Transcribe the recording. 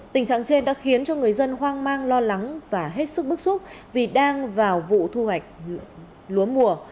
tình trạng trên đã khiến cho người dân hoang mang lo lắng và hết sức bức xúc vì đang vào vụ thu hoạch lúa mùa